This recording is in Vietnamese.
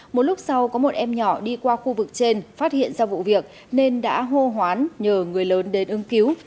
một lúc sau có một em nhỏ đi qua khu vực trên phát hiện ra vụ việc nên đã hô hoán nhờ người lớn đến ưng cứu